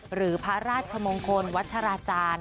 หรือพระราชมงคลวัตถรราจาร